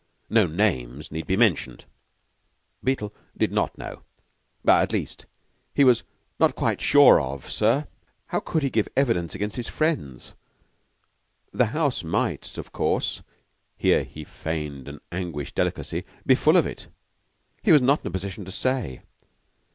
No names need be mentioned. Beetle did not know at least, he was not quite sure, sir. How could he give evidence against his friends? The house might, of course here he feigned an anguished delicacy be full of it. He was not in a position to say.